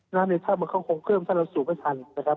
น้ำในถ้ำมันก็คงเข้มสร้างสูงไม่ทันนะครับ